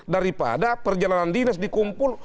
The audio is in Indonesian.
daripada perjalanan dinas dikumpul